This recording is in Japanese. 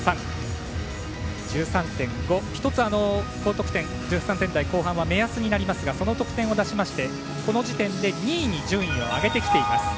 １つ高得点１３点台後半は目安になりますがその得点を出しましてこの時点で２位に順位を上げてきています。